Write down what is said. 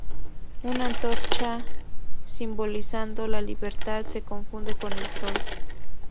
Una antorcha simbolizando la libertad se confunde con el sol.